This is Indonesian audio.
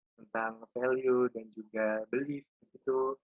tentang value dan juga belief gitu